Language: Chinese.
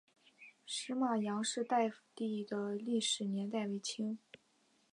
石码杨氏大夫第的历史年代为清。